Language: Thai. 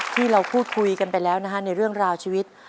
ที่เราพูดคุยกันไปแล้วนะฮะในเรื่องราวชีวิต